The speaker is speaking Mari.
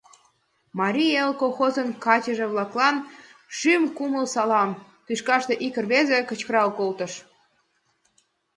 — «Марий Эл» колхозын качыже-влаклан — шӱм кумыл салам! — тӱшкаште ик рвезе кычкырал колтыш.